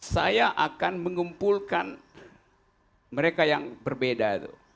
saya akan mengumpulkan mereka yang berbeda